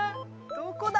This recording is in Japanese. どこだ？